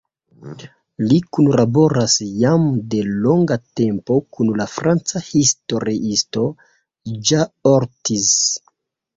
Li kunlaboras jam de longa tempo kun la franca historiisto Jean Ortiz.